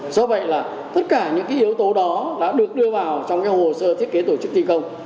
do vậy là tất cả những yếu tố đó đã được đưa vào trong hồ sơ thiết kế tổ chức thi công